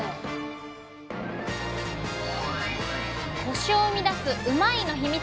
コシを生み出すうまいッ！のヒミツ。